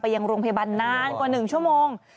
ยังโรงพยาบาลนานกว่า๑ชั่วโมง